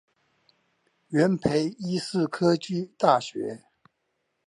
元培醫事科技大學